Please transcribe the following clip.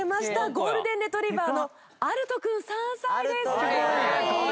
ゴールデンレトリバーのアルト君３歳です。